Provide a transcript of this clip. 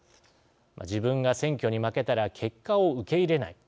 自分が選挙に負けたら結果を受け入れない。